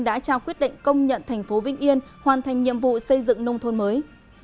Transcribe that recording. đã trao quyết định công nhận thành phố vĩnh yên hoàn thành nhiệm vụ xây dựng nông thôn mới